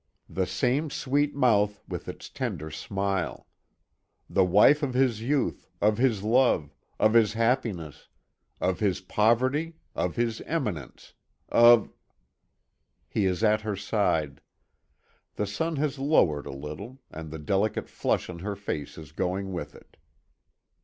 The same sweet mouth with its tender smile. The wife of his youth, of his love, of his happiness, of his poverty, of his eminence, of He is at her side. The sun has lowered a little, and the delicate flush on her face is going with it.